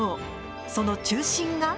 その中心が。